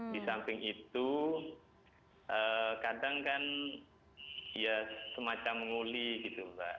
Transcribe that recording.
di samping itu kadang kan ya semacam nguli gitu mbak